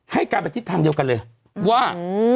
ให้การไปทิศทางเดียวกันเลยว่า